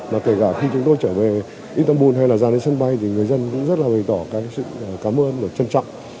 mà kể cả khi chúng tôi trở về interpol hay là ra đến sân bay thì người dân cũng rất là bày tỏ cái sự cảm ơn và trân trọng